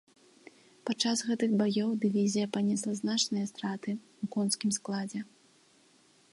Пад час гэтых баёў дывізія панесла значныя страты ў конскім складзе.